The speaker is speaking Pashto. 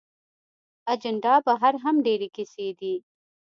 اجندا بهر هم ډېرې کیسې دي.